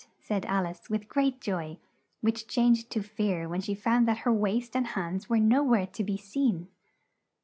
said Al ice, with great joy, which changed to fear when she found that her waist and hands were no where to be seen.